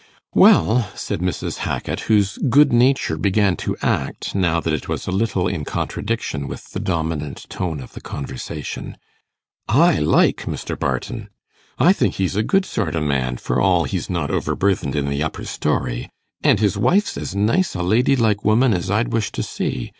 'Well,' said Mrs. Hackit, whose good nature began to act now that it was a little in contradiction with the dominant tone of the conversation, 'I like Mr. Barton. I think he's a good sort o' man, for all he's not overburthen'd i' th' upper storey; and his wife's as nice a lady like woman as I'd wish to see.